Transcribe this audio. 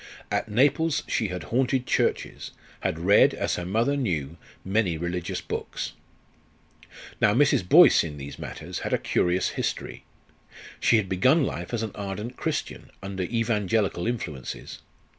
At Naples she had haunted churches; had read, as her mother knew, many religious books. Now Mrs. Boyce in these matters had a curious history. She had begun life as an ardent Christian, under evangelical influences.